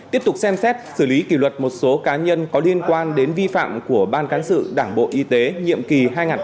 tiếp tục xem xét xử lý kỷ luật một số cá nhân có liên quan đến vi phạm của ban cán sự đảng bộ y tế nhiệm kỳ hai nghìn một mươi một hai nghìn hai mươi một